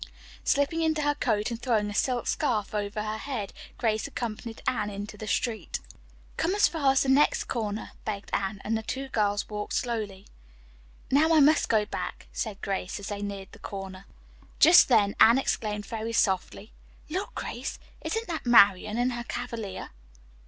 Slipping into her coat, and throwing a silk scarf over her head. Grace accompanied Anne into the street. "Come as far as the next corner," begged Anne, and the two girls walked slowly on. "Now I must go back," said Grace, as they neared the corner. Just then Anne exclaimed very softly, "Look, Grace, isn't that Marian and her cavalier?"